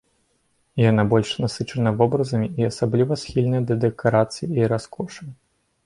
Яна больш насычана вобразамі і асабліва схільная да дэкарацыі і раскошы.